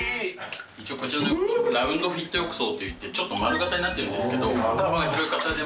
こちら、ラウンドフィット浴槽といって、ちょっと丸形になっているんですけれども、。